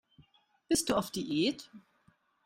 Bist du auf Diät?